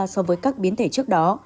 so với các biến thể trước đó